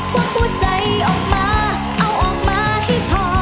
วัดหัวใจออกมาเอาออกมาให้พอ